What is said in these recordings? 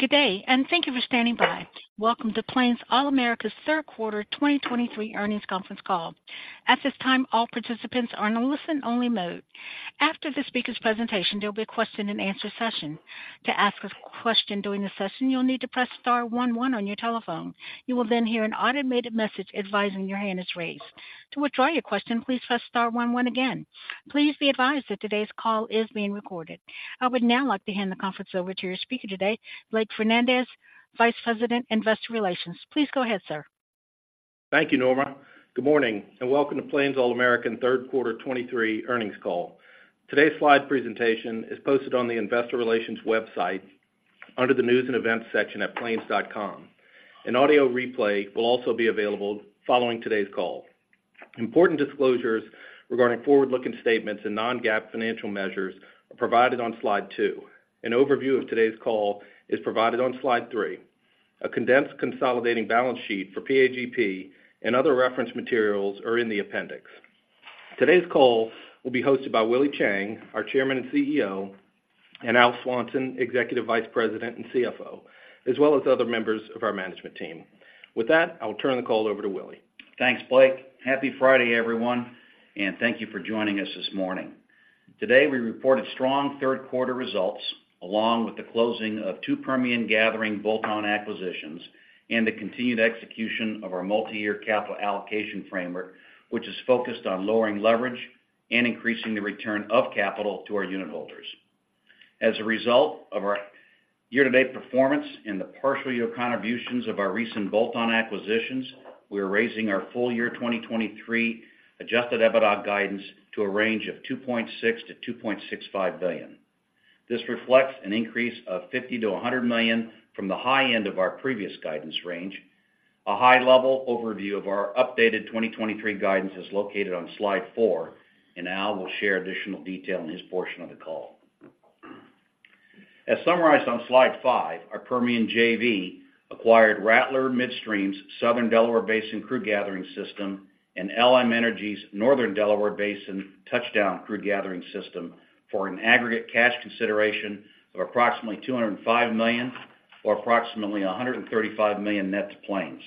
Good day, and thank you for standing by. Welcome to Plains All American's third quarter 2023 earnings conference call. At this time, all participants are in a listen-only mode. After the speaker's presentation, there'll be a question-and-answer session. To ask a question during the session, you'll need to press star one one on your telephone. You will then hear an automated message advising your hand is raised. To withdraw your question, please press star one one again. Please be advised that today's call is being recorded. I would now like to hand the conference over to your speaker today, Blake Fernandez, Vice President, Investor Relations. Please go ahead, sir. Thank you, Norma. Good morning, and welcome to Plains All American third quarter 2023 earnings call. Today's slide presentation is posted on the Investor Relations website under the News and Events section at plains.com. An audio replay will also be available following today's call. Important disclosures regarding forward-looking statements and non-GAAP financial measures are provided on slide two. An overview of today's call is provided on slide three. A condensed consolidating balance sheet for PAGP and other reference materials are in the appendix. Today's call will be hosted by Willie Chiang, our Chairman and CEO, and Al Swanson, Executive Vice President and CFO, as well as other members of our management team. With that, I'll turn the call over to Willie. Thanks, Blake. Happy Friday, everyone, and thank you for joining us this morning. Today, we reported strong third quarter results, along with the closing of two Permian gathering bolt-on acquisitions and the continued execution of our multi-year capital allocation framework, which is focused on lowering leverage and increasing the return of capital to our unitholders. As a result of our year-to-date performance and the partial year contributions of our recent bolt-on acquisitions, we are raising our full year 2023 Adjusted EBITDA guidance to a range of $2.6 billion-$2.65 billion. This reflects an increase of $50 million-$100 million from the high end of our previous guidance range. A high-level overview of our updated 2023 guidance is located on slide 4, and Al will share additional detail in his portion of the call. As summarized on slide 5, our Permian JV acquired Rattler Midstream's Southern Delaware Basin crude gathering system and LM Energy's Northern Delaware Basin Touchdown crude gathering system for an aggregate cash consideration of approximately $205 million, or approximately $135 million net to Plains.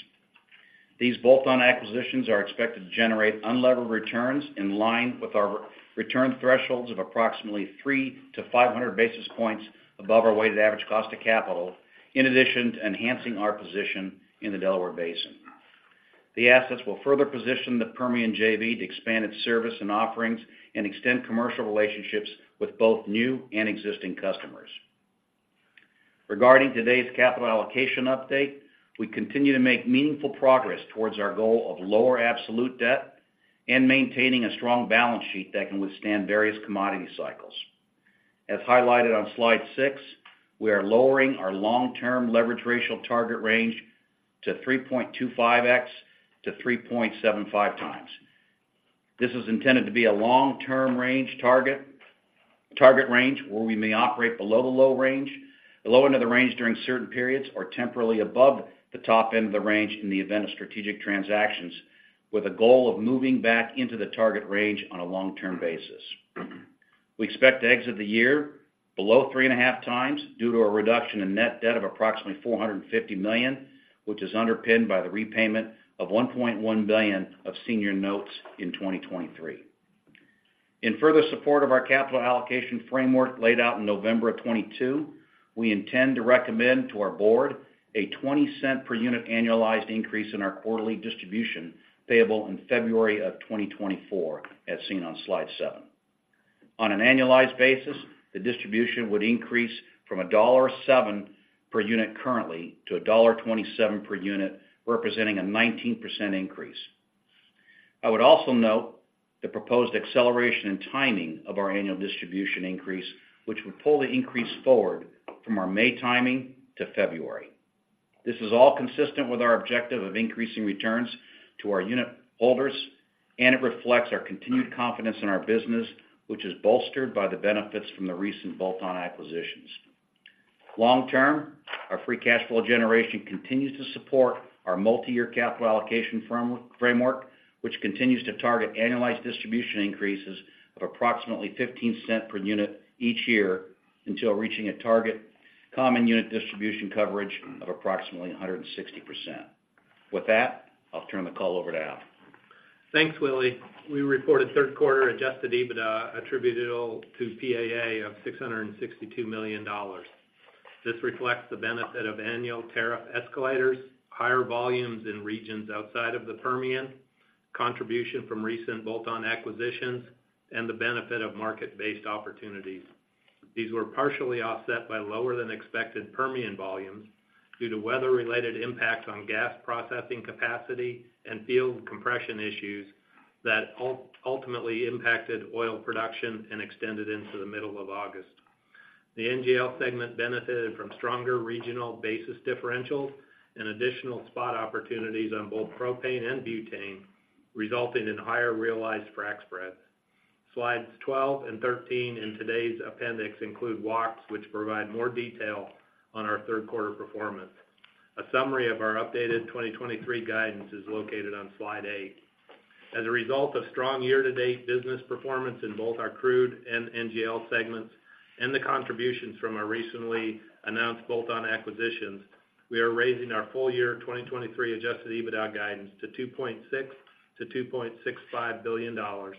These bolt-on acquisitions are expected to generate unlevered returns in line with our return thresholds of approximately 300-500 basis points above our weighted average cost of capital, in addition to enhancing our position in the Delaware Basin. The assets will further position the Permian JV to expand its service and offerings and extend commercial relationships with both new and existing customers. Regarding today's capital allocation update, we continue to make meaningful progress towards our goal of lower absolute debt and maintaining a strong balance sheet that can withstand various commodity cycles. As highlighted on slide 6, we are lowering our long-term leverage ratio target range to 3.25x-3.75x. This is intended to be a long-term range target, target range, where we may operate below the low range, the low end of the range during certain periods, or temporarily above the top end of the range in the event of strategic transactions, with a goal of moving back into the target range on a long-term basis. We expect to exit the year below 3.5x due to a reduction in net debt of approximately $450 million, which is underpinned by the repayment of $1.1 billion of senior notes in 2023. In further support of our capital allocation framework laid out in November of 2022, we intend to recommend to our board a $0.20 per unit annualized increase in our quarterly distribution, payable in February of 2024, as seen on slide 7. On an annualized basis, the distribution would increase from $1.07 per unit currently to $1.27 per unit, representing a 19% increase. I would also note the proposed acceleration and timing of our annual distribution increase, which would pull the increase forward from our May timing to February. This is all consistent with our objective of increasing returns to our unitholders, and it reflects our continued confidence in our business, which is bolstered by the benefits from the recent bolt-on acquisitions. Long term, our free cash flow generation continues to support our multi-year capital allocation framework, which continues to target annualized distribution increases of approximately $0.15 per unit each year until reaching a target common unit distribution coverage of approximately 160%. With that, I'll turn the call over to Al. Thanks, Willie. We reported third quarter Adjusted EBITDA attributable to PAA of $662 million. This reflects the benefit of annual tariff escalators, higher volumes in regions outside of the Permian, contribution from recent bolt-on acquisitions, and the benefit of market-based opportunities. These were partially offset by lower than expected Permian volumes due to weather-related impacts on gas processing capacity and field compression issues that ultimately impacted oil production and extended into the middle of August. The NGL segment benefited from stronger regional basis differentials and additional spot opportunities on both propane and butane, resulting in higher realized frac spreads. slides 12 and 13 in today's appendix include walks, which provide more detail on our third quarter performance. A summary of our updated 2023 guidance is located on slide 8. As a result of strong year-to-date business performance in both our crude and NGL segments and the contributions from our recently announced bolt-on acquisitions, we are raising our full year 2023 adjusted EBITDA guidance to $2.6 billion-$2.65 billion. Our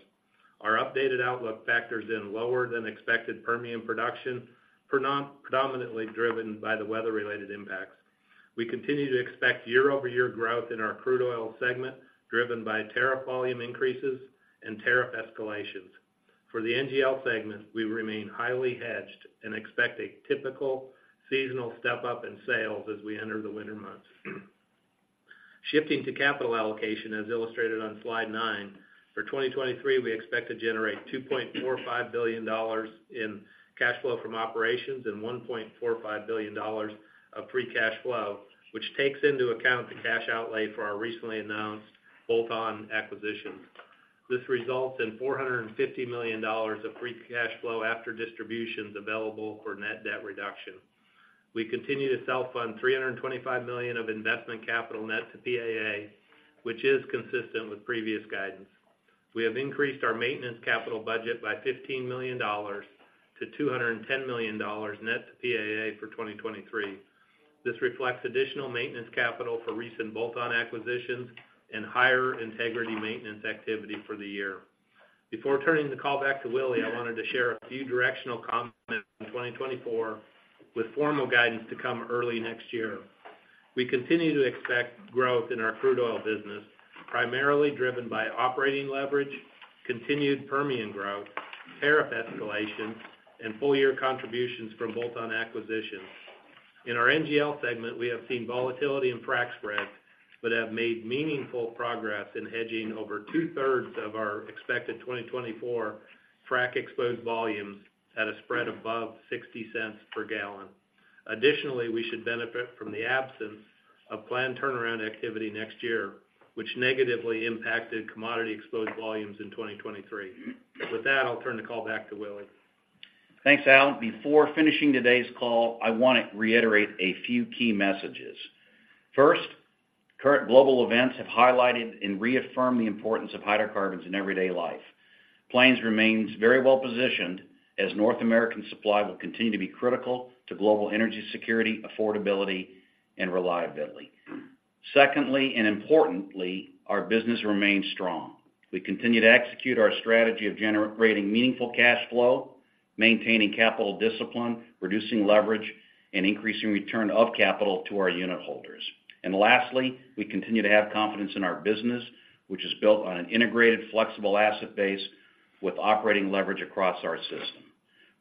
updated outlook factors in lower than expected Permian production, predominantly driven by the weather-related impacts. We continue to expect year-over-year growth in our crude oil segment, driven by tariff volume increases and tariff escalations. For the NGL segment, we remain highly hedged and expect a typical seasonal step-up in sales as we enter the winter months. Shifting to capital allocation, as illustrated on slide 9, for 2023, we expect to generate $2.45 billion in cash flow from operations and $1.45 billion of free cash flow, which takes into account the cash outlay for our recently announced bolt-on acquisitions. This results in $450 million of free cash flow after distributions available for net debt reduction. We continue to self-fund $325 million of investment capital net to PAA, which is consistent with previous guidance. We have increased our maintenance capital budget by $15 million to $210 million net to PAA for 2023. This reflects additional maintenance capital for recent bolt-on acquisitions and higher integrity maintenance activity for the year. Before turning the call back to Willie, I wanted to share a few directional comments on 2024, with formal guidance to come early next year. We continue to expect growth in our crude oil business, primarily driven by operating leverage, continued Permian growth, tariff escalation, and full-year contributions from bolt-on acquisitions. In our NGL segment, we have seen volatility in frac spreads, but have made meaningful progress in hedging over two-thirds of our expected 2024 frac exposed volumes at a spread above $0.60 per gallon. Additionally, we should benefit from the absence of planned turnaround activity next year, which negatively impacted commodity-exposed volumes in 2023. With that, I'll turn the call back to Willie. Thanks, Al. Before finishing today's call, I want to reiterate a few key messages. First, current global events have highlighted and reaffirmed the importance of hydrocarbons in everyday life. Plains remains very well-positioned as North American supply will continue to be critical to global energy security, affordability, and reliability. Secondly, and importantly, our business remains strong. We continue to execute our strategy of generating meaningful cash flow, maintaining capital discipline, reducing leverage, and increasing return of capital to our unit holders. And lastly, we continue to have confidence in our business, which is built on an integrated, flexible asset base with operating leverage across our system.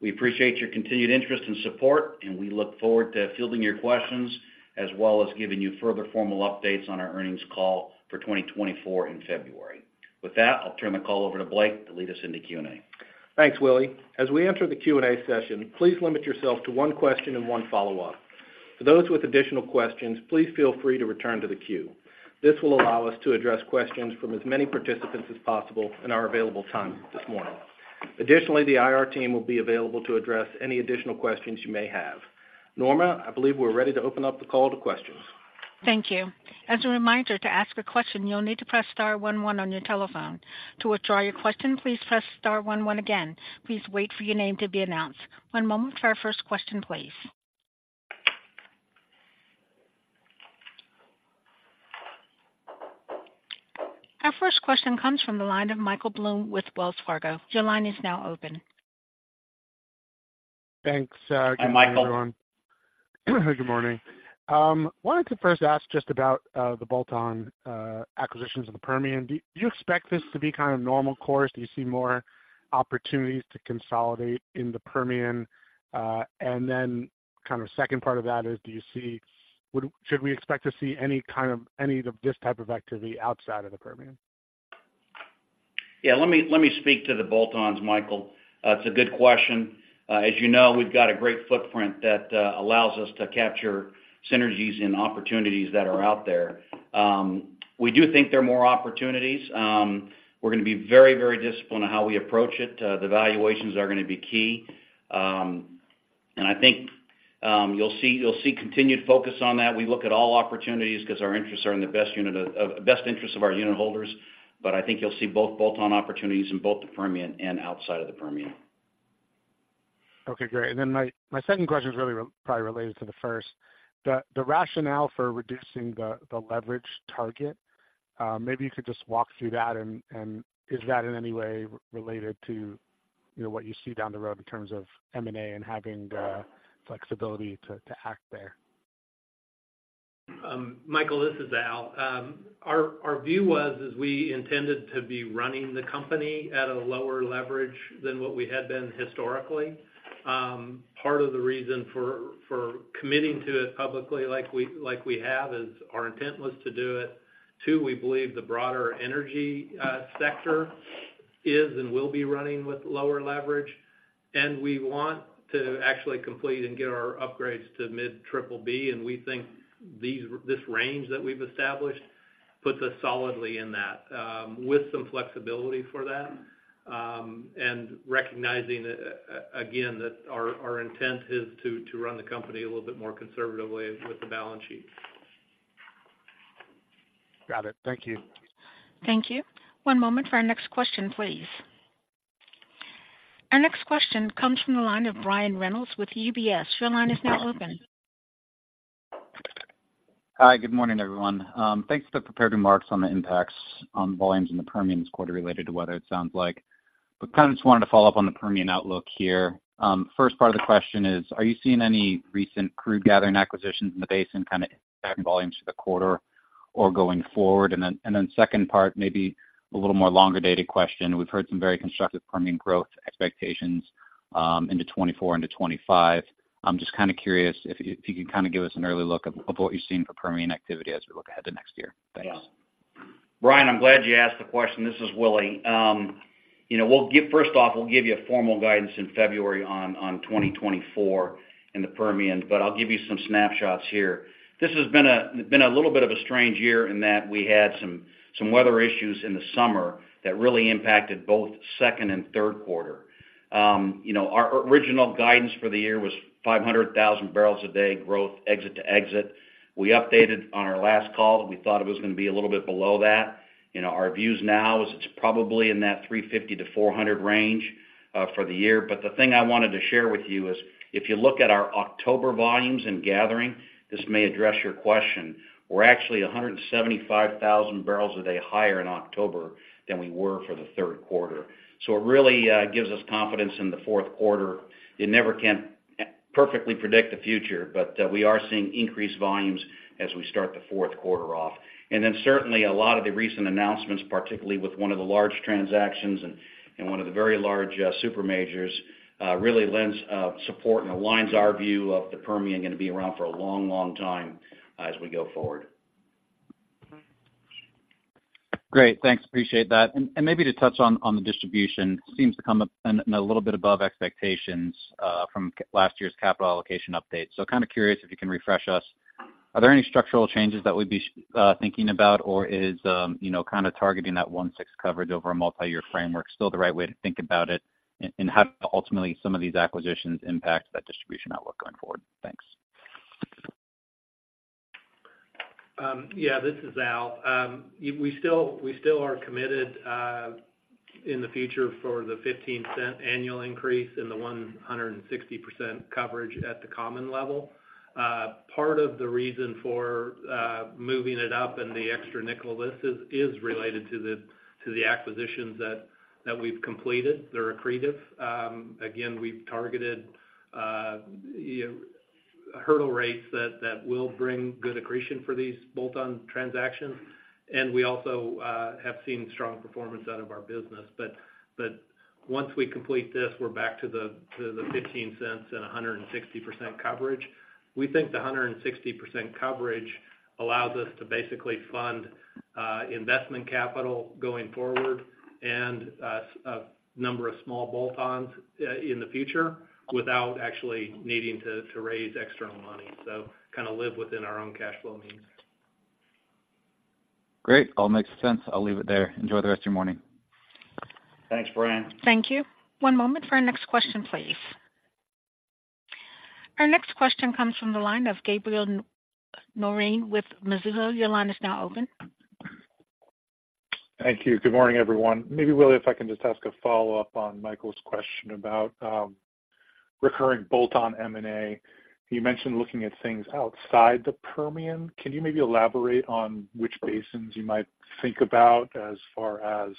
We appreciate your continued interest and support, and we look forward to fielding your questions as well as giving you further formal updates on our earnings call for 2024 in February. With that, I'll turn the call over to Blake to lead us into Q&A. Thanks, Willie. As we enter the Q&A session, please limit yourself to one question and one follow-up. For those with additional questions, please feel free to return to the queue. This will allow us to address questions from as many participants as possible in our available time this morning. Additionally, the IR team will be available to address any additional questions you may have. Norma, I believe we're ready to open up the call to questions. Thank you. As a reminder, to ask a question, you'll need to press star one one on your telephone. To withdraw your question, please press star one one again. Please wait for your name to be announced. One moment for our first question, please. Our first question comes from the line of Michael Blum with Wells Fargo. Your line is now open. Thanks, uh- Hi, Michael... Good morning, everyone. Good morning. Wanted to first ask just about the bolt-on acquisitions of the Permian. Do you expect this to be kind of normal course? Do you see more opportunities to consolidate in the Permian? And then kind of second part of that is, would, should we expect to see any kind of, any of this type of activity outside of the Permian? Yeah, let me speak to the bolt-ons, Michael. It's a good question. As you know, we've got a great footprint that allows us to capture synergies and opportunities that are out there. We do think there are more opportunities. We're going to be very, very disciplined on how we approach it. The valuations are going to be key. And I think you'll see continued focus on that. We look at all opportunities because our interests are in the best interest of our unit holders, but I think you'll see both bolt-on opportunities in both the Permian and outside of the Permian. Okay, great. And then my second question is really probably related to the first. The rationale for reducing the leverage target, maybe you could just walk through that, and is that in any way related to, you know, what you see down the road in terms of M&A and having the flexibility to act there? Michael, this is Al. Our view was, is we intended to be running the company at a lower leverage than what we had been historically. Part of the reason for committing to it publicly like we have is our intent was to do it. Two, we believe the broader energy sector is and will be running with lower leverage, and we want to actually complete and get our upgrades to mid triple B. And we think this range that we've established puts us solidly in that with some flexibility for that. And recognizing again that our intent is to run the company a little bit more conservatively with the balance sheet. Got it. Thank you. Thank you. One moment for our next question, please. Our next question comes from the line of Brian Reynolds with UBS. Your line is now open. Hi, good morning, everyone. Thanks for the prepared remarks on the impacts on volumes in the Permian this quarter related to weather, it sounds like. But kind of just wanted to follow up on the Permian outlook here. First part of the question is, are you seeing any recent crude gathering acquisitions in the basin kind of impacting volumes for the quarter or going forward? And then second part, maybe a little more longer-dated question. We've heard some very constructive Permian growth expectations into 2024 into 2025. I'm just kind of curious if you can kind of give us an early look of what you're seeing for Permian activity as we look ahead to next year. Thanks. Yeah. Brian, I'm glad you asked the question. This is Willie. You know, First off, we'll give you a formal guidance in February on 2024 in the Permian, but I'll give you some snapshots here. This has been a little bit of a strange year in that we had some weather issues in the summer that really impacted both second and third quarter. You know, our original guidance for the year was 500,000 barrels a day growth, exit to exit. We updated on our last call, we thought it was going to be a little bit below that. You know, our views now is it's probably in that 350-400 range for the year. But the thing I wanted to share with you is, if you look at our October volumes in gathering, this may address your question. We're actually 175,000 barrels a day higher in October than we were for the third quarter. So it really gives us confidence in the fourth quarter. You never can perfectly predict the future, but we are seeing increased volumes as we start the fourth quarter off. And then certainly, a lot of the recent announcements, particularly with one of the large transactions and one of the very large super majors really lends support and aligns our view of the Permian going to be around for a long, long time as we go forward. Great. Thanks, appreciate that. And maybe to touch on the distribution, it seems to come in a little bit above expectations from last year's capital allocation update. So kind of curious if you can refresh us. Are there any structural changes that we'd be thinking about, or is, you know, kind of targeting that 1.6 coverage over a multi-year framework still the right way to think about it? And how ultimately some of these acquisitions impact that distribution outlook going forward? Thanks. Yeah, this is Al. We still, we still are committed in the future for the $0.15 annual increase and the 160% coverage at the common level. Part of the reason for moving it up and the extra $0.05 of this is related to the acquisitions that we've completed. They're accretive. Again, we've targeted hurdle rates that will bring good accretion for these bolt-on transactions, and we also have seen strong performance out of our business. But, but once we complete this, we're back to the $0.15 and a 160% coverage. We think the 160% coverage allows us to basically fund investment capital going forward and a number of small bolt-ons in the future without actually needing to raise external money. So kind of live within our own cash flow means. Great. All makes sense. I'll leave it there. Enjoy the rest of your morning. Thanks, Brian. Thank you. One moment for our next question, please. Our next question comes from the line of Gabriel Moreen with Mizuho. Your line is now open. Thank you. Good morning, everyone. Maybe, Willie, if I can just ask a follow-up on Michael's question about recurring bolt-on M&A. You mentioned looking at things outside the Permian. Can you maybe elaborate on which basins you might think about as far as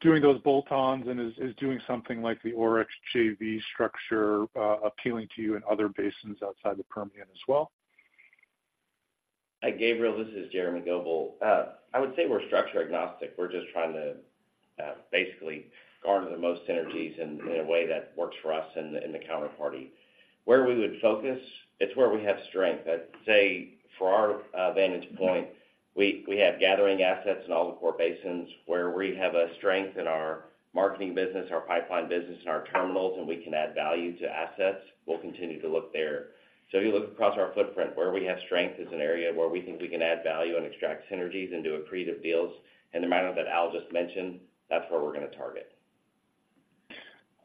doing those bolt-ons? And is doing something like the Oryx JV structure appealing to you in other basins outside the Permian as well? Hi, Gabriel, this is Jeremy Goebel. I would say we're structure agnostic. We're just trying to basically garner the most synergies in a way that works for us and the counterparty. Where we would focus, it's where we have strength. I'd say, for our vantage point, we have gathering assets in all the core basins where we have a strength in our marketing business, our pipeline business, and our terminals, and we can add value to assets, we'll continue to look there. So if you look across our footprint, where we have strength is an area where we think we can add value and extract synergies and do accretive deals. And the model that Al just mentioned, that's where we're going to target.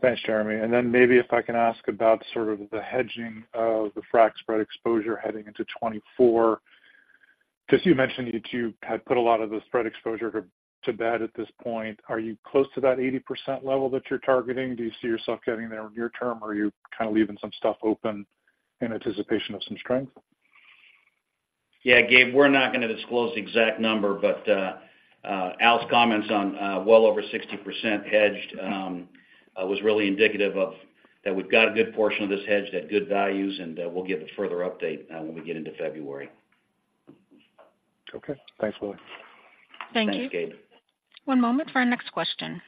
Thanks, Jeremy. Then maybe if I can ask about sort of the hedging of the frac spread exposure heading into 2024. Because you mentioned that you had put a lot of the spread exposure to bed at this point. Are you close to that 80% level that you're targeting? Do you see yourself getting there near term, or are you kind of leaving some stuff open in anticipation of some strength? Yeah, Gabe, we're not going to disclose the exact number, but Al's comments on well over 60% hedged was really indicative of that we've got a good portion of this hedge at good values, and we'll give a further update when we get into February. Okay. Thanks, Willie. Thank you. Thanks, Gabe. One moment for our next question.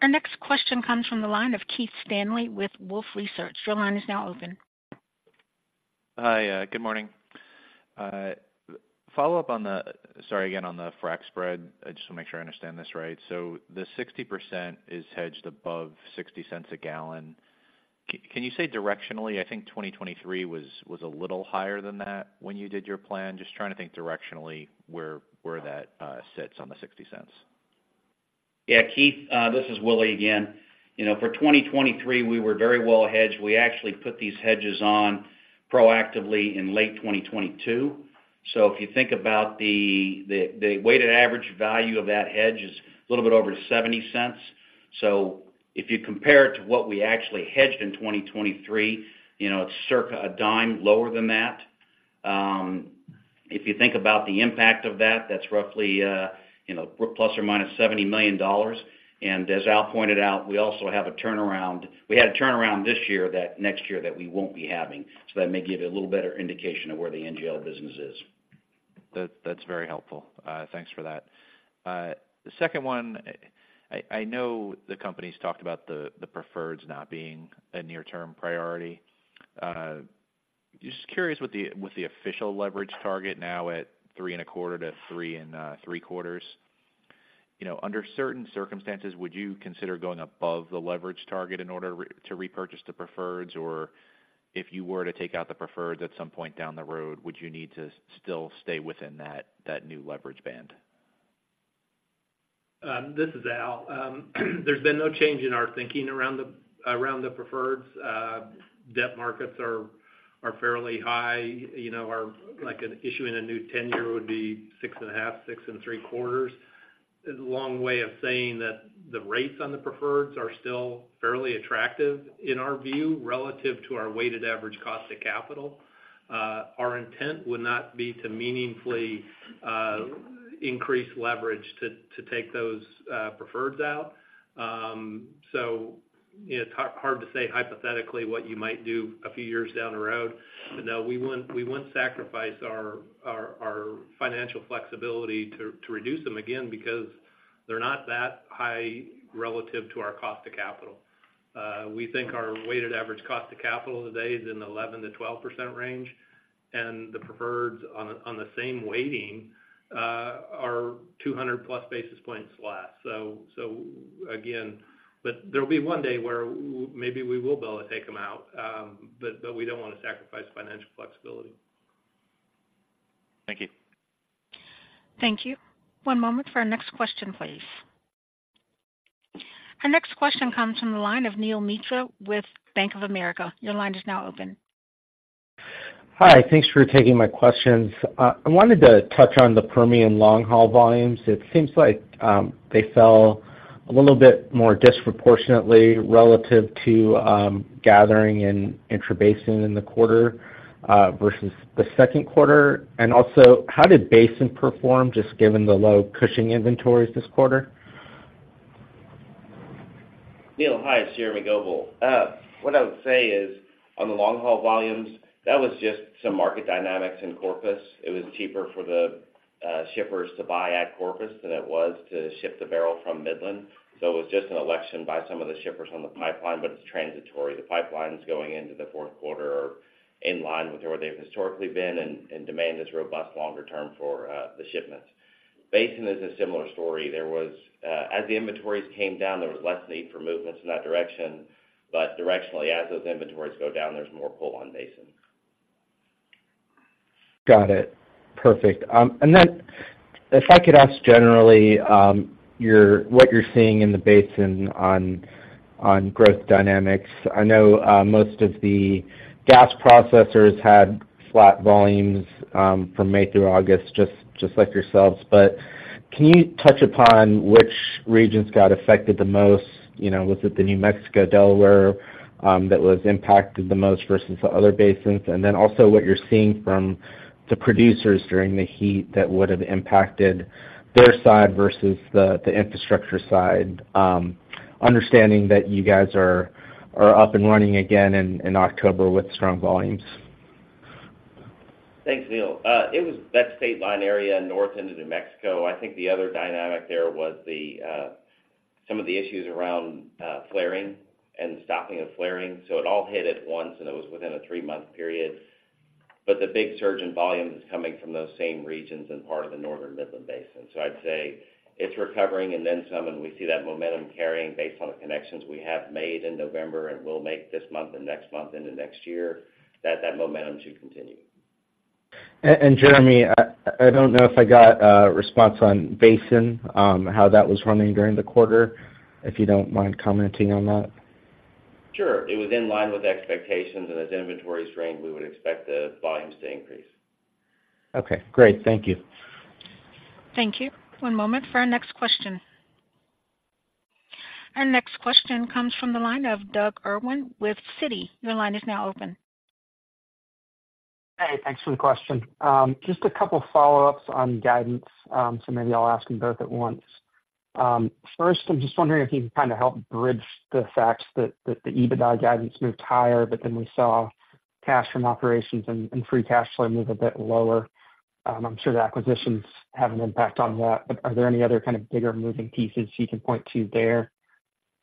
Our next question comes from the line of Keith Stanley with Wolfe Research. Your line is now open. Hi, good morning. Follow up on the... Sorry, again, on the frac spread, just to make sure I understand this right. So the 60% is hedged above $0.60/gallon. Can you say directionally, I think 2023 was a little higher than that when you did your plan? Just trying to think directionally where that sits on the $0.60.... Yeah, Keith, this is Willie again. You know, for 2023, we were very well hedged. We actually put these hedges on proactively in late 2022. So if you think about the weighted average value of that hedge is a little bit over $0.70. So if you compare it to what we actually hedged in 2023, you know, it's circa $0.10 lower than that. If you think about the impact of that, that's roughly, you know, ±$70 million. And as Al pointed out, we also have a turnaround. We had a turnaround this year that next year that we won't be having. So that may give you a little better indication of where the NGL business is. That, that's very helpful. Thanks for that. The second one, I know the company's talked about the preferreds not being a near-term priority. Just curious with the official leverage target now at 3.25-3.75, you know, under certain circumstances, would you consider going above the leverage target in order to repurchase the preferreds? Or if you were to take out the preferreds at some point down the road, would you need to still stay within that new leverage band? This is Al. There's been no change in our thinking around the preferreds. Debt markets are fairly high. You know, like, issuing a new ten-year would be 6.5-6.75. It's a long way of saying that the rates on the preferreds are still fairly attractive in our view, relative to our weighted average cost of capital. Our intent would not be to meaningfully increase leverage to take those preferreds out. So it's hard to say hypothetically what you might do a few years down the road. But no, we wouldn't sacrifice our financial flexibility to reduce them again because they're not that high relative to our cost of capital. We think our weighted average cost of capital today is in the 11%-12% range, and the preferreds on the same weighting are 200+ basis points less. So again, but there'll be one day where maybe we will be able to take them out, but we don't want to sacrifice financial flexibility. Thank you. Thank you. One moment for our next question, please. Our next question comes from the line of Neel Mitra with Bank of America. Your line is now open. Hi, thanks for taking my questions. I wanted to touch on the Permian long-haul volumes. It seems like, they fell a little bit more disproportionately relative to, gathering in intrabasin in the quarter, versus the second quarter. And also, how did Basin perform, just given the low Cushing inventories this quarter? Neel, hi, it's Jeremy Goebel. What I would say is, on the long-haul volumes, that was just some market dynamics in Corpus. It was cheaper for the shippers to buy at Corpus than it was to ship the barrel from Midland. So it was just an election by some of the shippers on the pipeline, but it's transitory. The pipelines going into the fourth quarter are in line with where they've historically been, and demand is robust longer term for the shipments. Basin is a similar story. There was, as the inventories came down, there was less need for movements in that direction. But directionally, as those inventories go down, there's more pull on basin. Got it. Perfect. And then if I could ask generally, your—what you're seeing in the basin on growth dynamics. I know most of the gas processors had flat volumes from May through August, just like yourselves. But can you touch upon which regions got affected the most? You know, was it the New Mexico, Delaware that was impacted the most versus the other basins? And then also what you're seeing from the producers during the heat that would have impacted their side versus the infrastructure side, understanding that you guys are up and running again in October with strong volumes. Thanks, Neel. It was that state line area, north into New Mexico. I think the other dynamic there was the some of the issues around flaring and stopping of flaring. So it all hit at once, and it was within a three-month period. But the big surge in volume is coming from those same regions and part of the Northern Midland Basin. So I'd say it's recovering, and then some, and we see that momentum carrying based on the connections we have made in November and will make this month and next month into next year, that that momentum should continue. Jeremy, I don't know if I got a response on Basin, how that was running during the quarter, if you don't mind commenting on that. Sure. It was in line with expectations, and as inventories range, we would expect the volumes to increase. Okay, great. Thank you. Thank you. One moment for our next question. Our next question comes from the line of Doug Irwin with Citi. Your line is now open. Hey, thanks for the question. Just a couple follow-ups on guidance, so maybe I'll ask them both at once. First, I'm just wondering if you can kind of help bridge the facts that, that the EBITDA guidance moved higher, but then we saw cash from operations and, and free cash flow move a bit lower. I'm sure the acquisitions have an impact on that, but are there any other kind of bigger moving pieces you can point to there?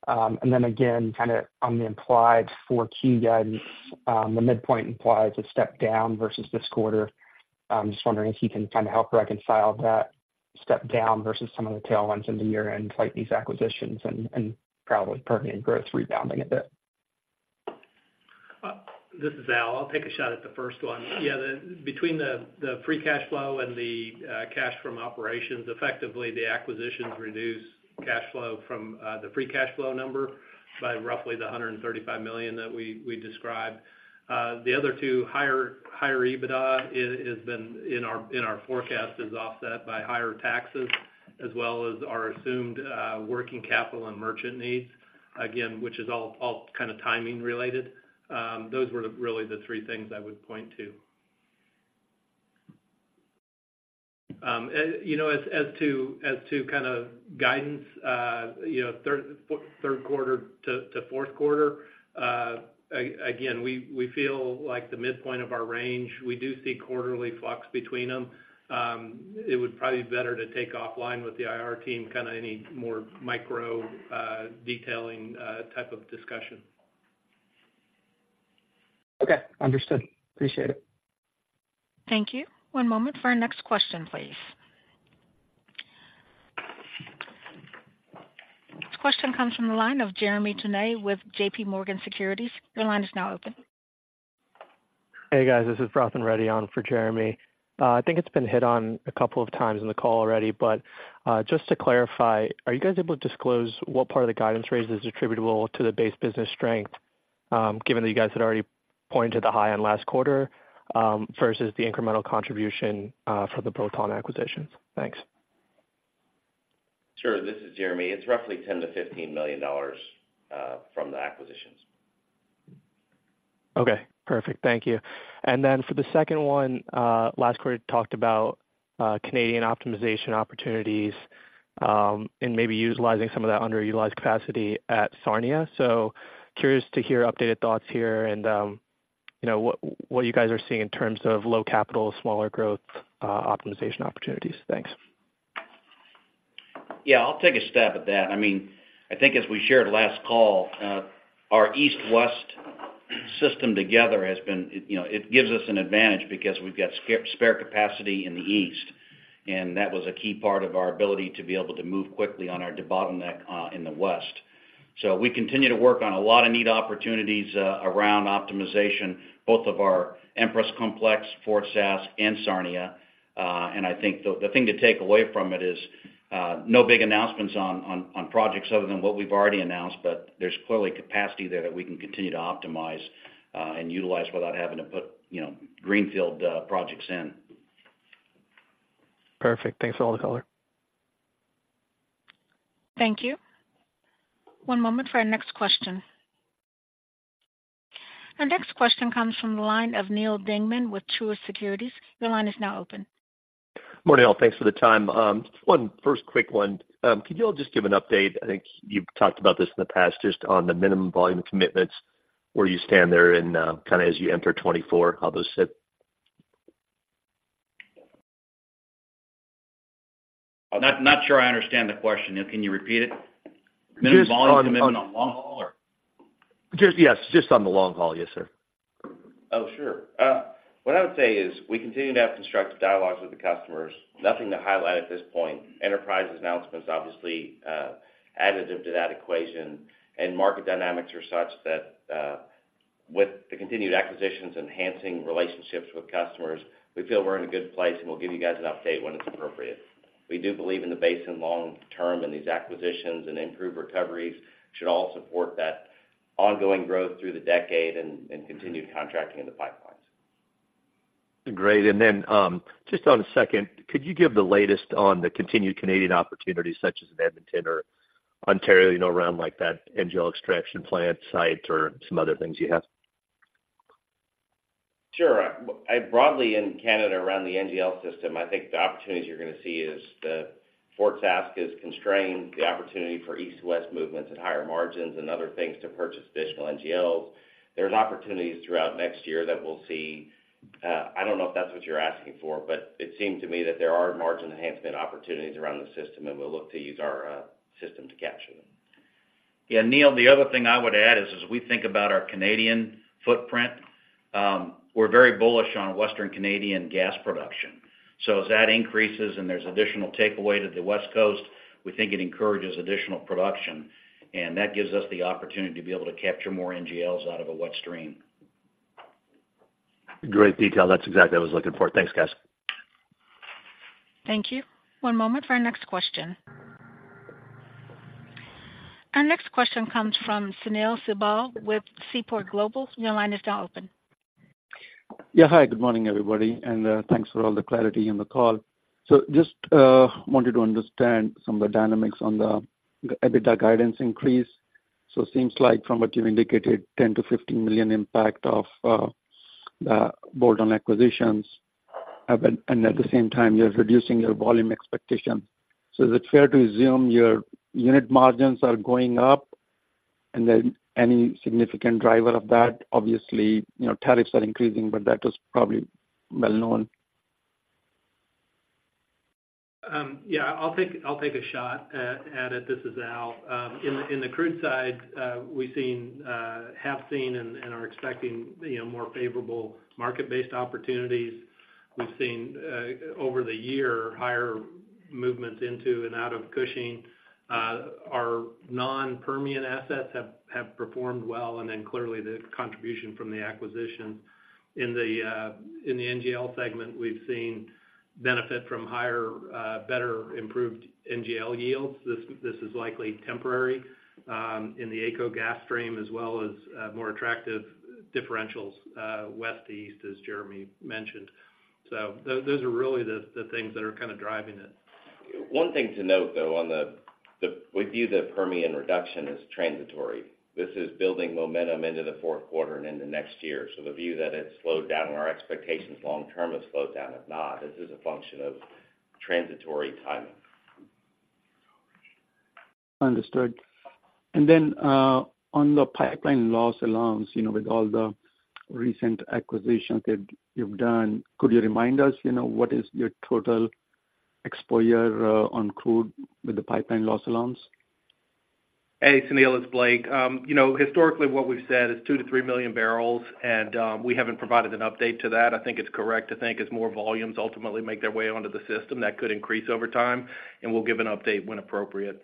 And then again, kind of on the implied Q4 guidance, the midpoint implies a step down versus this quarter. I'm just wondering if you can kind of help reconcile that step down versus some of the tailwinds in the year-end, like these acquisitions and, and probably Permian growth rebounding a bit.... This is Al. I'll take a shot at the first one. Yeah, the between the free cash flow and the cash from operations, effectively, the acquisitions reduce cash flow from the free cash flow number by roughly the $135 million that we described. The other two higher EBITDA has been in our forecast is offset by higher taxes as well as our assumed working capital and merchant needs, again, which is all kind of timing related. Those were really the three things I would point to. You know, as to kind of guidance, you know, third quarter to fourth quarter, again, we feel like the midpoint of our range, we do see quarterly flux between them. It would probably be better to take offline with the IR team, kind of any more micro detailing type of discussion. Okay, understood. Appreciate it. Thank you. One moment for our next question, please. This question comes from the line of Jeremy Tonet with JPMorgan Securities. Your line is now open. Hey, guys, this is Vrathan Reddy on for Jeremy. I think it's been hit on a couple of times in the call already, but just to clarify, are you guys able to disclose what part of the guidance raise is attributable to the base business strength, given that you guys had already pointed to the high end last quarter, versus the incremental contribution for the bolt-on acquisitions? Thanks. Sure. This is Jeremy. It's roughly $10 million-$15 million from the acquisitions. Okay, perfect. Thank you. And then for the second one, last quarter, you talked about Canadian optimization opportunities and maybe utilizing some of that underutilized capacity at Sarnia. So, curious to hear updated thoughts here and, you know, what, what you guys are seeing in terms of low capital, smaller growth optimization opportunities. Thanks. Yeah, I'll take a stab at that. I mean, I think as we shared last call, our East-West system together has been, you know, it gives us an advantage because we've got spare, spare capacity in the East, and that was a key part of our ability to be able to move quickly on our debottleneck in the West. So we continue to work on a lot of neat opportunities around optimization, both of our Empress Complex, Fort Sask, and Sarnia. And I think the thing to take away from it is, no big announcements on projects other than what we've already announced, but there's clearly capacity there that we can continue to optimize and utilize without having to put, you know, greenfield projects in. Perfect. Thanks for all the color. Thank you. One moment for our next question. Our next question comes from the line of Neal Dingman with Truist Securities. Your line is now open. Morning, all. Thanks for the time. One first quick one. Could you all just give an update? I think you've talked about this in the past, just on the minimum volume commitments, where you stand there and, kind of as you enter 2024, how those sit? I'm not sure I understand the question. Can you repeat it? Just on- Minimum Volume Commitment on long-haul, or? Just, yes, just on the long haul. Yes, sir. Oh, sure. What I would say is, we continue to have constructive dialogues with the customers. Nothing to highlight at this point. Enterprise announcements, obviously, additive to that equation, and market dynamics are such that, with the continued acquisitions, enhancing relationships with customers, we feel we're in a good place, and we'll give you guys an update when it's appropriate. We do believe in the basin long term, and these acquisitions and improved recoveries should all support that ongoing growth through the decade and, and continued contracting in the pipelines. Great. And then, just one second, could you give the latest on the continued Canadian opportunities, such as in Edmonton or Ontario, you know, around like that NGL extraction plant site or some other things you have? Sure. Broadly in Canada, around the NGL system, I think the opportunities you're gonna see is the Fort Sask is constrained, the opportunity for East to West movements and higher margins and other things to purchase additional NGLs. There's opportunities throughout next year that we'll see. I don't know if that's what you're asking for, but it seems to me that there are margin enhancement opportunities around the system, and we'll look to use our system to capture them. Yeah, Neal, the other thing I would add is, as we think about our Canadian footprint, we're very bullish on Western Canadian gas production. So as that increases and there's additional takeaway to the West Coast, we think it encourages additional production, and that gives us the opportunity to be able to capture more NGLs out of a wet stream. Great detail. That's exactly what I was looking for. Thanks, guys. Thank you. One moment for our next question. Our next question comes from Sunil Sibal with Seaport Global. Your line is now open. Yeah, hi, good morning, everybody, and thanks for all the clarity in the call. So just wanted to understand some of the dynamics on the, the EBITDA guidance increase. So it seems like from what you've indicated, $10-$15 million impact of the bolt-on acquisitions, but—and at the same time, you're reducing your volume expectations. So is it fair to assume your unit margins are going up? And then, any significant driver of that? Obviously, you know, tariffs are increasing, but that is probably well known. Yeah, I'll take a shot at it. This is Al. In the crude side, we've seen and are expecting, you know, more favorable market-based opportunities. We've seen over the year higher movements into and out of Cushing. Our non-Permian assets have performed well, and then clearly, the contribution from the acquisition. In the NGL segment, we've seen benefit from higher, better improved NGL yields. This is likely temporary in the AECO gas stream, as well as more attractive differentials west to east, as Jeremy mentioned. So those are really the things that are kind of driving it. One thing to note, though, we view the Permian reduction as transitory. This is building momentum into the fourth quarter and into next year. So the view that it's slowed down or our expectations long term has slowed down, have not. This is a function of transitory timing. Understood. And then, on the pipeline loss allowance, you know, with all the recent acquisitions that you've done, could you remind us, you know, what is your total exposure on crude with the pipeline loss allowance? Hey, Sunil, it's Blake. You know, historically, what we've said is 2-3 million barrels, and we haven't provided an update to that. I think it's correct to think as more volumes ultimately make their way onto the system, that could increase over time, and we'll give an update when appropriate.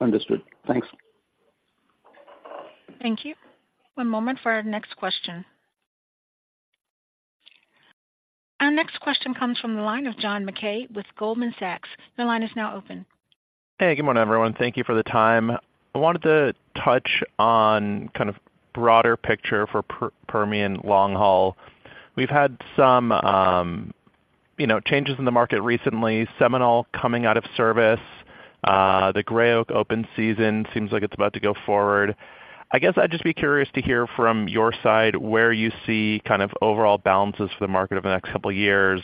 Understood. Thanks. Thank you. One moment for our next question. Our next question comes from the line of John McKay with Goldman Sachs. Your line is now open. Hey, good morning, everyone. Thank you for the time. I wanted to touch on kind of broader picture for Permian long haul. We've had some, you know, changes in the market recently, Seminole coming out of service, the Gray Oak open season seems like it's about to go forward. I guess I'd just be curious to hear from your side, where you see kind of overall balances for the market over the next couple of years,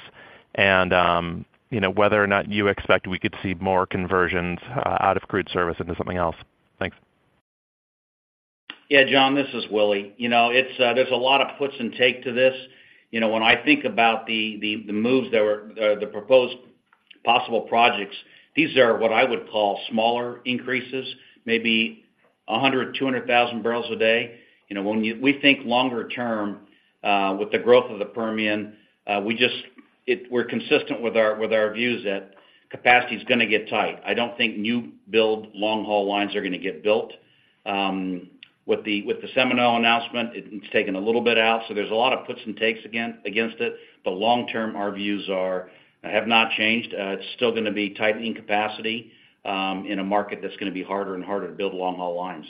and, you know, whether or not you expect we could see more conversions out of crude service into something else? Thanks. Yeah, John, this is Willie. You know, it's, there's a lot of puts and take to this. You know, when I think about the moves that were the proposed possible projects, these are what I would call smaller increases, maybe 100-200,000 barrels a day. You know, when we think longer term, with the growth of the Permian, we're consistent with our, with our views that capacity is gonna get tight. I don't think new build long-haul lines are gonna get built. With the Seminole announcement, it's taken a little bit out, so there's a lot of puts and takes again against it. But long term, our views have not changed. It's still gonna be tightening capacity, in a market that's gonna be harder and harder to build long-haul lines.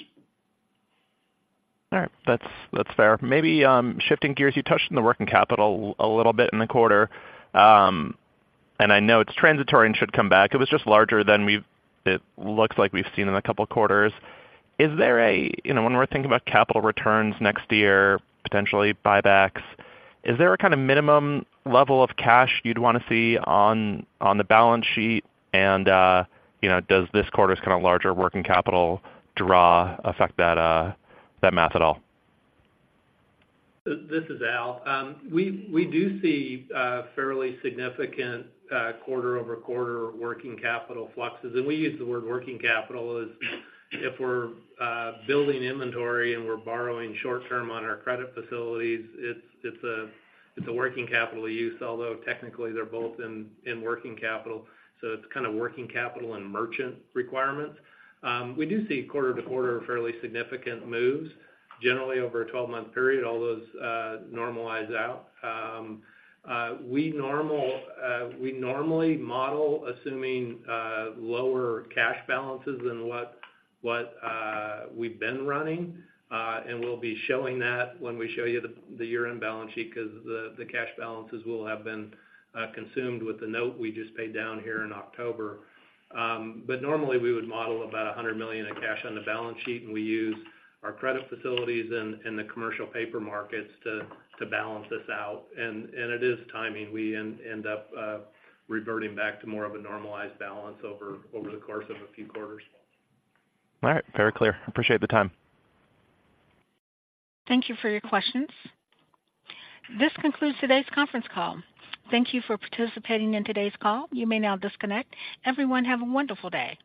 All right. That's, that's fair. Maybe shifting gears, you touched on the working capital a little bit in the quarter. And I know it's transitory and should come back. It was just larger than it looks like we've seen in a couple of quarters. Is there a, you know, when we're thinking about capital returns next year, potentially buybacks, is there a kind of minimum level of cash you'd want to see on the balance sheet? And, you know, does this quarter's kind of larger working capital draw affect that math at all? This is Al. We do see fairly significant quarter-over-quarter working capital fluxes. We use the word working capital as if we're building inventory and we're borrowing short term on our credit facilities, it's a working capital use, although technically, they're both in working capital, so it's kind of working capital and merchant requirements. We do see quarter-to-quarter fairly significant moves. Generally, over a 12-month period, all those normalize out. We normally model assuming lower cash balances than what we've been running, and we'll be showing that when we show you the year-end balance sheet, because the cash balances will have been consumed with the note we just paid down here in October. But normally, we would model about $100 million in cash on the balance sheet, and we use our credit facilities and the commercial paper markets to balance this out. And it is timing. We end up reverting back to more of a normalized balance over the course of a few quarters. All right. Very clear. Appreciate the time. Thank you for your questions. This concludes today's conference call. Thank you for participating in today's call. You may now disconnect. Everyone, have a wonderful day!